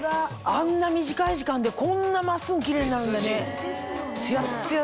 あんな短い時間でこんな真っすぐキレイになるんだね。